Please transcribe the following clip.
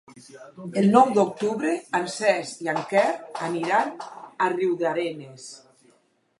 El nou d'octubre en Cesc i en Quer aniran a Riudarenes.